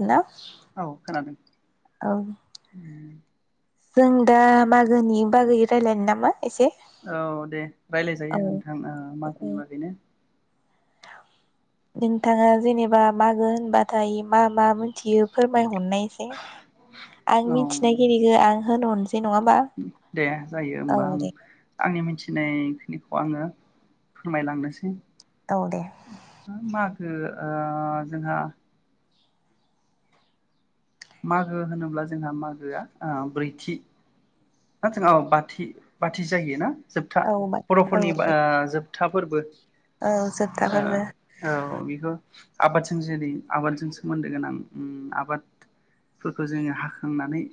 Hello औ खोनादों औ जों दा मागोनि बागै रायलायनो नामा? एसे औ दे रायज्लाय औ जायो नोंथां मागोनि बागैनो नोंथाङा जेनेबा मागो होनबाथाय मा मा मोनथियो फोरमाय हरनाय एसे आं औ मिथिनायखिनिखौ आं होन [unintelligible] दे जायो होमबा आं दे आंनि मि थिनायखिनिखौ आङो फोरमायलांनोसै। औ दे। ओ मागो ओह जोंहा मागो होनोब्ला जोंहा मागोआ ओ ब्रैथि बा [unintelligible] बाथि बाथि जायो ना? जोबथा औ बर'फोरनि ओ जोब खोथाफोरबो औ जोबथा ओ फोरबो औ बिखौ आबादजों जेरै आबादजों सोमोन्दो गोनां उम आबादफोरखौ जोङो हाखांनानै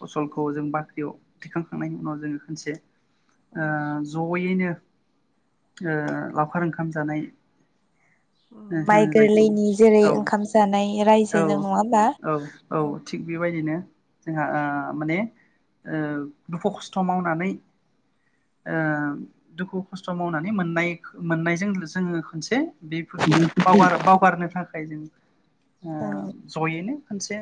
ओ फसल खौ जों बाख्रियाव थिखांखांनायनि उनाव जोङो खोनसे ओ जयैनो ओ लावखार ओंखाम जानाय होनो माइ जायखौ गोरलैनि जेरै औ ओंखाम जानाय औ रायजोजों नङा ओमबा। औ औ थिग बेबायदिनो जोंहा ओ माने ओ दुखु खस्थ मावनानै ओ दुखु खस्थ मावनानै मोन्नाय मोननायजों जोङो खोनसे बेफोरखौ बावगार बावगारनो था औ [unintelligible] जों ओ जयैनो खोनसे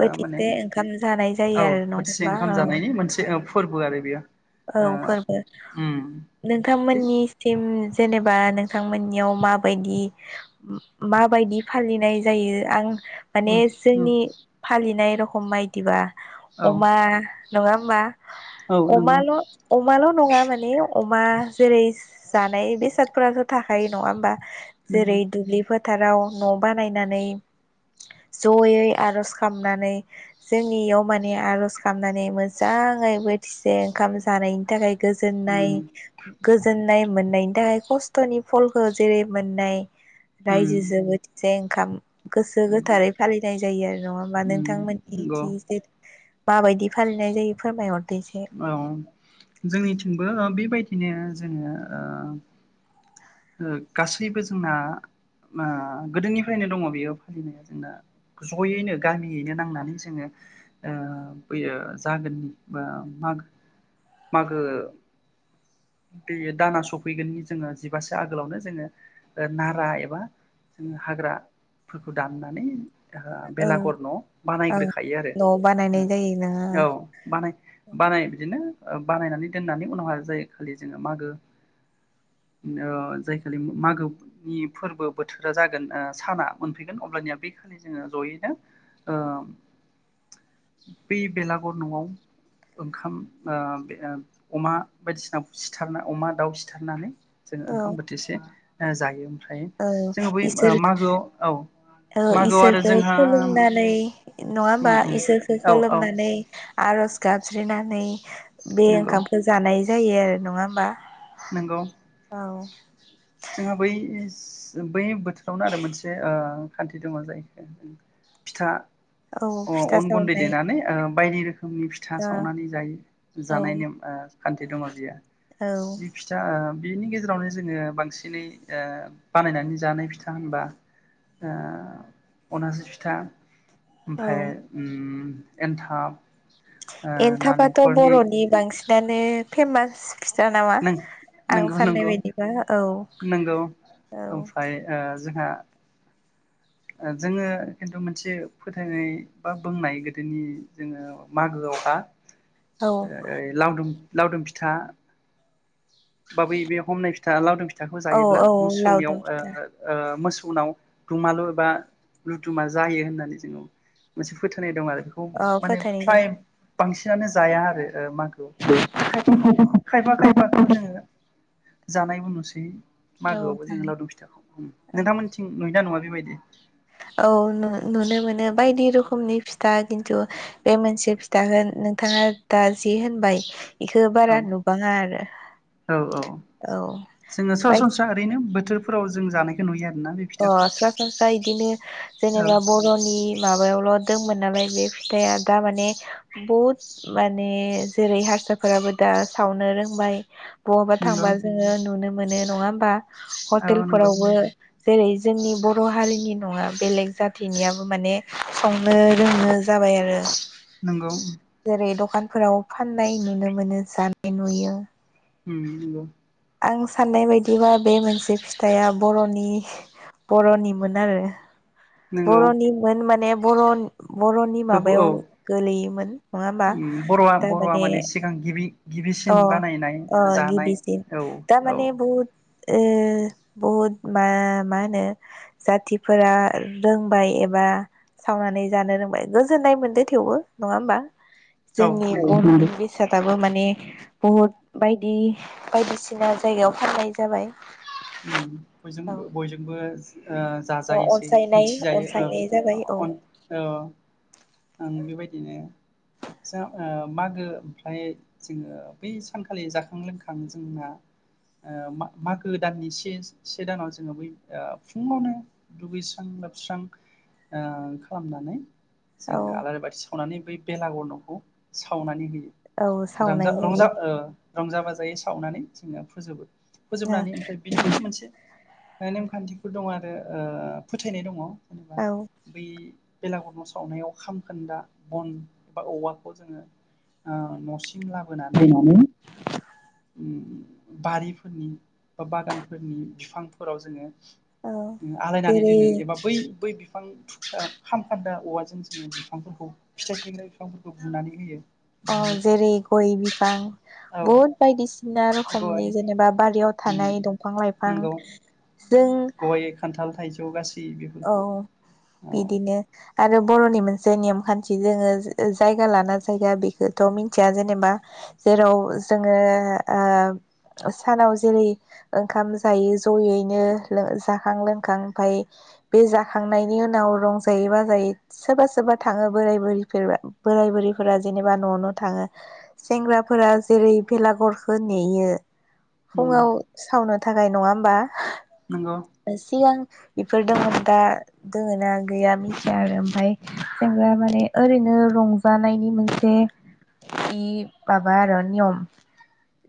बोथिसे ओंखाम जानाय जा औ बोथिसे ओंखाम जानायनि मोनसे औ फोर्बो आरे बियो। औ फोर्बो थिग नोंथांमोन्निसिम जेनेबा नोंथांमोन्नियाव माबायदि माबायदि फालिनाय जायो आं उम माने उम जोंनि फालिनाय रखम बायदिबा औ अमा नङा होमबा? औ नंगौ अमाल अमाल नङा माने अमा जेरै जानाय बेसादफोराथ थाखायो नङा होमबा। नंगौ जेरै दुब्लि फो थाराव न बानायनानै जयै आरज खामनानै जोंनि इयाव माने आरज खालामनानै मोजाङै बोथि [unintelligible] ओंखाम जानायनि थाखाय गोजोननाय उम गोजोननाय मोननायनि थाखाय खस्थनि फलखौ जेरै मोननाय उम दायजो जोबोद जें खाम गोसो नंगौ गोथारै फालिनाय जायो आरो नङा होमबा उम नंगौ नोंथांमोननिथि जे मा बायदि फालिनाय जायो फोरमाय हरदो? औ जोंनिथिंबो बेबायदि बिदिनो जोङो ओ ओ गासैबो जोंना मा गोदोनिफ्रायनो दङ बेयो फालिनाया जोंना जयैनो गामियैनो नांनानै जोङो ओ बैयो जागोननि बा मागो मागो दै दाना सफैगोन जोङो जिबासो आगोलावनो जोङो नारा एबा जोङो हाग्राफोरखौ दाननानै औ बेलागर न औ बानायग्रोखायो आरो न' बानायनाय जायो नोङो ओ औ बानाय बानाय बिदिनो ओ बानायनानै दोननानै उनावहा जायो खालि जोङो मागो ओ जाय खालि मागोनि फोरबो बोथोरा जागोन ओ साना मोनफैगोन अब्लानिया बे खालि जोङो ओ जयैनो ओ बे बेलागुर नआव ओंखाम ओ अमा बायदिसिना सिथारना अमा दाउ सिथारनानै जोंङो औ ओंखाम बोथिसे ओ जायोम औ इसोर औ औ मागोआव आरो इसोरखौ जोंहा खुलुमनानै नङा होमबा उम उम इसोरखौ औ औ खुलुमनानै आरज गाब ज्रिनानै बे नंगौ ओंखामखो जानाय जायो आरो नङा होमबा। नंगौ। औ जोंहा बै बै बोथोरावनो आरो मोनसे ओ खान्थि दङ जायखो फिथा औ फिथा अ-अन गुन्दै सावनाय देनानै ओ बायदि रोखो मनि फिथा ओ सावनानै जायो जानाय नेम-खान्थि दङ बियो औ बे फिथा ओ बिनि गेजेरावनो जोङो बांसिन दिनै ओ बानायनानै जानाय फिथा होनबा ओ अनासि फिथा औ ओमफ्राय उम एनथाब एन्थाबाथ बरनि बांसिन दानो फेमास फिथा नामा नों आं नंगौ साननाय नंगौ बायदिबा औ नंगौ औ। ओमफ्राय ओ जोंहा जोङो खिन्थु मोनसे फोथायनाय बा बुंनाय गोदोनि जोङो मागोआवहा औ ओइ लावदुम लावदुम फिथा बाबै बे हमनाय फिथा लावदुम फिथ फिथाखौ औ जायोब्ला औ मोसौनियाव लावदुम फिथा ओ ओ मोस उनाव दमालु एबा लुदुमा जायो होननानै जोङो मोनसे फोथायनाय दं आरो बेखौ औ माने फोथायनाय दङ फ्लाइम बांसिनानो जाया आरो मागो खायफा खाफा खायफा खायफा खौ जोङो जानायबो नुसै मागोआवबो जोङो औ लावदुम फिथाखौ बुङो नोंथांमोनिथिं नुयोना नुवा बेबायदि? [inaudible] औ नु नुनो मोनो बायदि रोखोमनि फि था खिन्थु बे मोनसे फिथाखौ नोंथाङा दा जि होनबाय बेखौ औ बारा नुबाङा आरो औ औ औ [unintelligible] थोरफोराव जों जानायखौ नुयो आरो अ सरासनस्रा बिदिनो औ जेनेबा बर'नि माबायावल दंमोन नालाय बे फिथाइआ दा माने बहुद माने जेरै हारसाफोराबो दा सावनो रोंबाय बहाबा नंगौ थांबा जोङो नुनो मोनो नङा होमबा औ हटेल नंगौ फोरावबो जेरै जोंनि बर' हारिनि नङा बेलेग जाथिनियाबो माने संनो रोंनो जाबाय आरो। नंगौ जेरै दखानफोराव फाननाय नुनो मोनो जानाय नुयो होम नंगौ आं साननाय बायदिबा बे मोनसे फिथाइया बर'नि बर'निमोन आरो नंगौ बर'नि मोन माने बर' बर'नि गोबौ औ माबायाव गोलैयोमोन नङा होमबा बर'आ बर'आ थारमाने माने सिगां गिबि गिबिसिन अ बानायनाय अ जानाय गिबिसिन औ दा औ माने बहुद बहुद मा मा होनो जाथिफोरा रोंबाय एबा सावनानै जानो रोंबाय गोजोननाय मोनदों थेवबो नङा होमबा औ नंगौ जोंनि साथाबो माने बहुद बायदि बायदिसिना जायगायाव फाननाय जाबाय ऊम औ बयजोंबो बयजोंबो ओ अ जाजायोसै अनसायनाय मिथिजायो अनसायनाय ओ जाबाय औ अन ओ आं बेबायदिनो जा ओ मागो ओमफ्राय जोंङो बै सानखालि जाखां लोंखां जोंना मागो दाननि सेन से दानाव जोंङो बै फुंङावनो दुगैस्रां लोबस्रां ओ खालामनानै औ जोंङो आलारि बाथि सावनानै बै बेलागर नखौ सावनानै होयो। औ रांजा सावनाय रंजा ओ रंजा बाजायै सावनानै जोंङो फोजोबो फोजोबनानै जायो ओमफ्राय बिनिनो मोनसे ओ नेमखान्थिफोर दं आरो फोथायनाय दंङ। जेनेबा औ बै बेलागर नस सावनायाव खाम खोन्दा बन एबा औवाखौ जोंङो न' सिम लाबोनानै फैनानै बारिफोर नि बा बागानफोरनि बिफांफोराव जोंङो औ आलायनानै जेरै दोनो एबा बै-बै फां थुख्रा खामखोन्दा औवा जों जोंङो बिफां फोरखौ फिथाइ थायग्रा बिफां फोरखौ बुनानै होयो। औ बुयो जेरै गय बिफां औ बहुद बायदिसिना गय रखमनि जेनेबा बारियाव थानाय दंफां लाइफां नंगौ जों गय, खान्थाल, थाइज जौ गास औ बिदिनो आरो बर'नि मोनसे नेम खान्थि जोंङो जायगा लाना जायगा बेखौथ मिथिया जेनेबा जेराव जोंङो ओ सानाव जेरै ओंखाम जायो जयैनो लो जाखां लोंखां ओमफाय बे जाखांनायनि उनाव रंजायै बाजायै सोरबा सोरबा थांङो बोराय बुरफोर बोराय बुरिफोरा जेनेबा न' न' थांङो सेंग्राफोरा जेरै बेलागुरखौ नेयो नंगौ फुंङाव सावना थाखाय नंङा होमबा? नंगौ ओ सिगां इफोर दं आरो दा दोंङो ना गैया मिथिया आरो ओमफाय जों माने ओरैनो रंजानायनि मोनसे इ माबा आरो नियम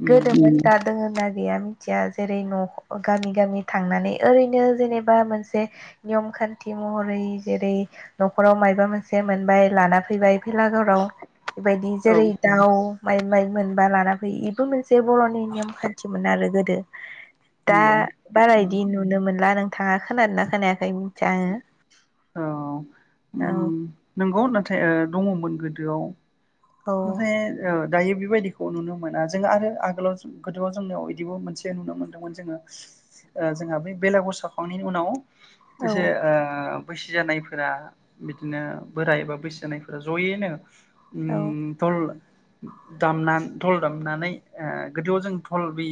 गोदोमोन दा दोंयोना गैया मिथिया जेरै न'गामि गामि थांनानै ओरै नो जेनेबा मोनसे नियम खान्थि महरै जेरै नखराव मायबा मोनसे मोनबाय लाना फैबाय फेलागोराव बेबायदि औ जेरै दाउ माइ माइ मोनबा लाना फैयो इबो मोन जे बर'नि नेम खान्थिमोन आरो। गोदो दा नंगौ बारा इदि नुनो मोनला नों थाङा खोनादों ना खोनायाखै? खै‌ मोन्थिया‌ आंङो। औ उम नोंगौ ओ दङमोन गोदोआव औ ओमफ्राय ओ दायो बेबायदिखौ नुनो मोना जों आरो आगोलाव गोदोआव जोंनियाव बिदिबो मोनसे नुनो मोन्दोंमोन जोङो जोंहा बे बेलागुर सावखांनायनि उनाव औ एसे ओ बैसो जानायफोरा बिदिनो बोराय एबा बैसो जानायफोरा जयैनो औ उय थल दामना धल दामनानै ओ गोदोआव जों धल बे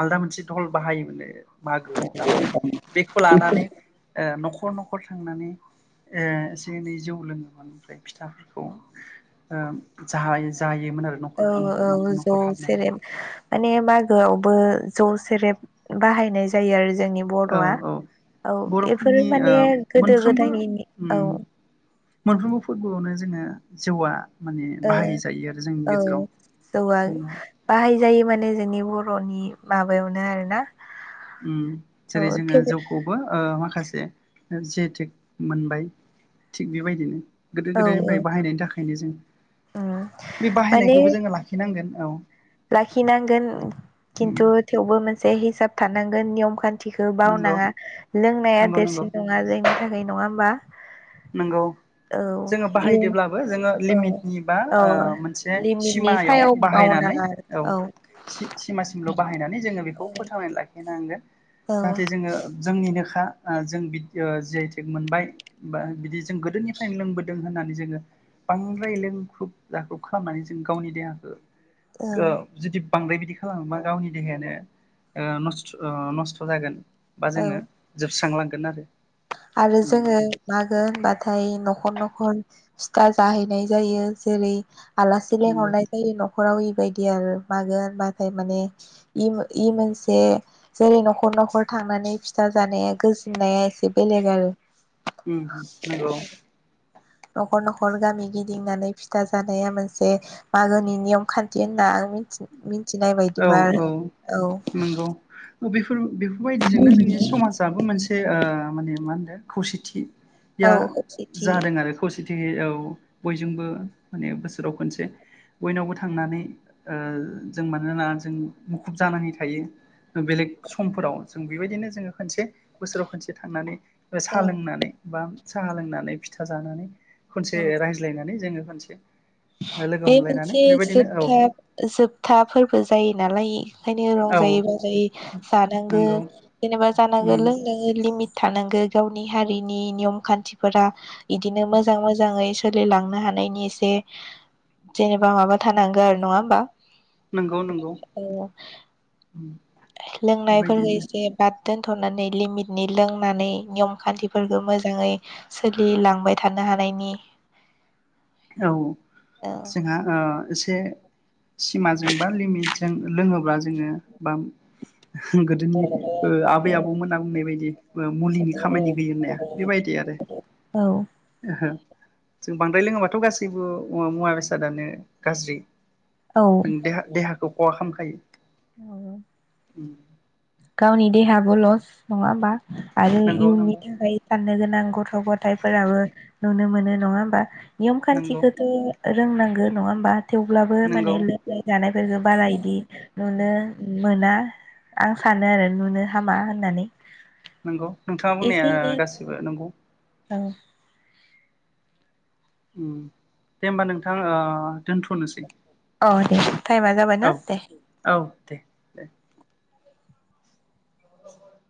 आलदा मोनसे धल बाहायोमोन नो। मागोआव दामनाय बेखौ लानानै ओ नख [unintelligible] नखर थांनानै एसे एनै जौ लोङोमोन ओमफ्राय फिथाफोरखौ ओम जाय-जायो औ औ जौ सेरेब माने मागोआवबो जौ सेरेब बाहायनाय जायो आरो जोंनि औ बर'आ औ औ एफोर बर'फोरनि ओ माने गोदो मोनफ्रोमबो गोदायनि औ उम मोनफ्रोमबो फोर्बोआवनो जोङो जौआ माने ओ बाहायजायो आरो जोंनि औ गेजेराव जौवा बाहाय जायो माने जोंनि बर' बर' नि माबायावनो आरो ना उम जेरै जोङो जौखौबो ओ माखासे जि आइ थेक मोनबाय थिग बेबायदिनो गोदो औ औ गोदायनिफ्राय बाहायनायनि थाखाय खायनो जों उम बे माने बाहायनायखौबो जोङो लाखिनांगोन। औ। लाखिनांगोन उम खिन्थु थेवबो मोनसे हिसाब थानांगोन नियम खान्थि खौ नंगौ बावनाङा लोंनाया देरसिन नङा जोंनि थाखाय नङा होनबा। नोंगौ जोङो इयुन बाहायदोब्लाबो जोङो औ लिमिटनि बा औ ओ मोनसे लिमिटनि सिमायाव सायाव बाहायनानै मावनाङा औ सिमासिमल बाहायनानै जोङो बेखौ फोथांनानै लाखि होनांगोन औ नाथाय जोङो जोंनिनोखा जों बि जि आइ टेक मोनबाय बा बिदि जों गोदोनिफ्रायनो लोंबोदों होननानै जोङो बांद्राय लोंख्रुब जाख्रुब खालामनानै जों गावनि देहाखो औ ओ जुदि बांद्राय बिदि खालामोबा गावनि देहायानो ओ नस्थ नस्थ जागोन। बा औ जोङो जोबस्रांलांगोन आरो आरो जोङो मा होनबाथाय नखर नखर फिथा जाहैनाय जायो जेरै आलासि नंगौ लिंहरनाय जायो नखराव बेबायदि आरो मागो मागो माने इ इ मोनसे जेरै नखर नखर थांनानै फिथा जानाया गोजोननाया एसे बेलेग आरो ओम नंगौ नखर नखर गामि गिदिंनानै फिथा जानाया मोनसे मागोनि नियम खान्थि होनना आं मिथि मिथिनाय औ बायदिबा आरो औ नंगौ औ बेफोर बेफोरबायदिजोंनो जोंनि समाजाबो मोनसे ओ माने मा होनदो औ औ खौसेथि जादों आरो खौसेथि औ बयजोंबो माने बोसोराव खनसे बयनावबो थांनानै ओ जों मानोना जों मुखुब जानानै थायो बेलेग समफोराव जों बेबायदिनो जोङो खनसे बोसोराव खनसे थांनानै सा औ लोंनानै बा साहा लोंनानै फिथा जानानै खनसे औ रायज्लायनानै जोङो मोनसे लोगो हमलायनानै बेबायदिनो औ जोबथाफोरबो जायो नालाय ओंखायनो औ रंजायै बाजायै जानांगौ नंगौ जेनेबा उम जानांगौ लोंनाय लिमिट थानांगौ गावनि हारिनि नियम खान्थिफोरा इदिनो मोजां मोजाङै सोलिलांनो हानायनि एसे जेनेबा माबा थानांगौ आरो नङा होमबा? नंगौ नंगौ उम [inaudible] लोंनायफोरफोरखौ बेबायदिनो एसे बाद दोनथनानै लिमिटनि लोंनानै नियम खान्थिफोरखौ मोजाङै सोलिलांबाय थानो हानायनि औ औ जोंहा ओ सि से सिमाजों बा लिमिटजों लोङोब्ला जोङो बा गोदोनि ओ आबै आबौमोना बुंनाय बायदि ओ मुलिनि खामानि होयो होननाया बेबायदि आरो ओहो जों बांद्राय लोंबा थ गासैबो मुवा बेसादानो गाज्रि औ नों देहा-देहाखौ खहा खाम [unintelligible] [unintelligible] उम गावनि देहायाबो लस नङा होमबा? आरो नंगौ इयुननि नंगौ थाखाय [unintelligible] गोनां गथ गथायाइफोराबो नुनो मोनो नङा होमबा नियम नंगौ खान्थिखौथ रोंनांगो नङा होमबा थेवब्लाबो माने नंगौ लोंनाय जानायफोरफोरखौ बारा इदि नुनो उम मोना आ सानो आरो नुनो हामा होननानै। नंगौ नोंथाङा बुंनाया एसे एनै गासिबो नंगौ औ उम दे होमबा नोंथां दोनथनोसै अ दे टाइमा जाबाय औ ना दे औ दे दे [unintelligible]